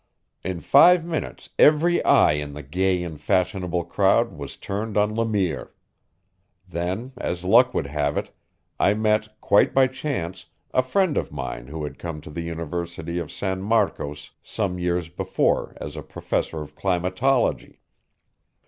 In five minutes every eye in the gay and fashionable crowd was turned on Le Mire. Then, as luck would have it, I met, quite by chance, a friend of mine who had come to the University of San Marcos some years before as a professor of climatology.